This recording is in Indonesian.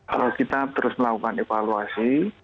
kalau kita terus melakukan evaluasi